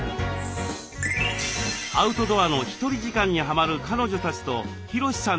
アウトドアのひとり時間にハマる彼女たちとヒロシさんのキャンプ。